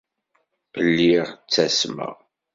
Lliɣ ttasmeɣ.